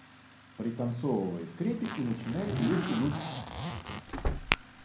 Пританцовывает к репе и начинает её тянуть.